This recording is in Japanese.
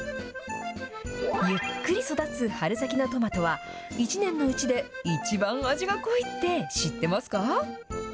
ゆっくり育つ春先のトマトは、一年のうちで一番味が濃いって知ってますか？